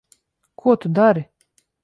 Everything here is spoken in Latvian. Ko tu dari?